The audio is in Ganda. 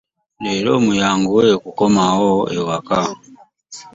Leero muyanguwe okukomawo e waka.